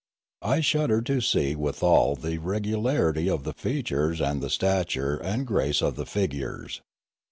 I shuddered to see withal the regularity of the features and the stature and grace of the figures.